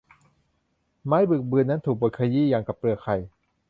ไม้บึกบึนนั้นถูกบดขยี้อย่างกับเปลือกไข่